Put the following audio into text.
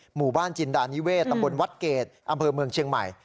หมู่บ้านจินดานิเวศตำบลวัดเกรดอำเภอเมืองเชียงใหม่